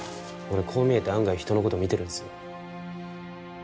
俺こう見えて案外人の事見てるんですよ。